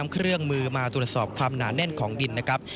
เครื่องมือมาตรวจสอบความหนาแน่นของดินนะครับ